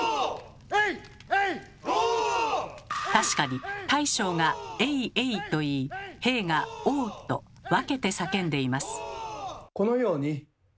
確かに大将が「エイエイ」と言い兵が「オー」と分けて叫んでいます。